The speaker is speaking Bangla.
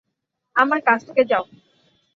আমার কাছ থেকে যাও।